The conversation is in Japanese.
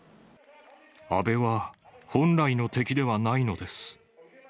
安倍は本来の敵ではないのです。